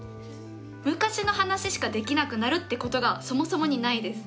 昔の話しかできなくなるってことがそもそもにないです。